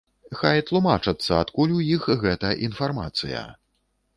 Хай тлумачацца, адкуль у іх гэта інфармацыя.